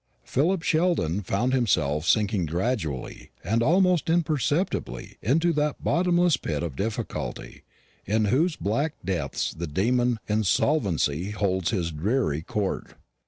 Philip Sheldon found himself sinking gradually and almost imperceptibly into that bottomless pit of difficulty in whose black depths the demon Insolvency holds his dreary court.